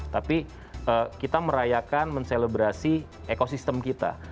tapi kita merayakan menselebrasi ekosistem kita